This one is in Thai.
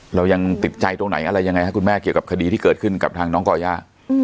เรายังติดใจตรงไหนอะไรยังไงครับคุณแม่เกี่ยวกับคดีที่เกิดขึ้นกับทางน้องก่อย่า